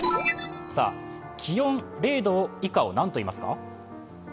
気温０度以下を何といいますか？